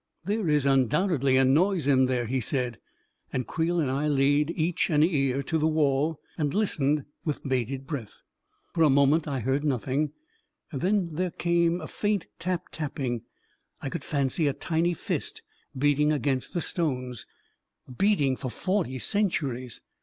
" There is undoubtedly a noise in there," he said, and Creel and I laid each an ear to the wall and listened with bated breath. For a moment I heard nothing; then there came a faint tap tapping — I could fancy a tiny fist beating against the stones — A KING IN BABYLON 321 beating for forty centuries!